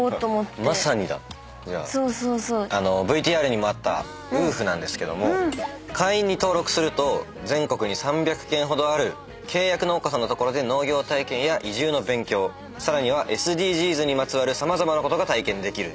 ＶＴＲにもあったＷＷＯＯＦなんですけども会員に登録すると全国に３００軒ほどある契約農家さんの所で農業体験や移住の勉強さらにはＳＤＧｓにまつわる様々なことが体験できる。